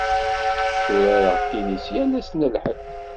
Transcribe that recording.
Tturareɣ tennis yal ass n Lḥedd.